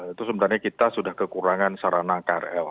itu sebenarnya kita sudah kekurangan sarana krl